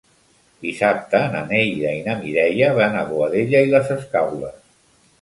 Dissabte na Neida i na Mireia van a Boadella i les Escaules.